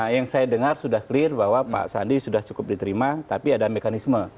yang saya dengar sudah clear bahwa pak sandi sudah cukup diterima tapi ada mekanisme